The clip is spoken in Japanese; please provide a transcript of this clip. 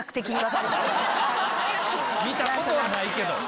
見たことはないけど。